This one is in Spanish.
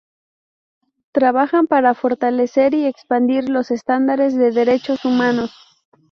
Trabajan para fortalecer y expandir los estándares de derechos humanos.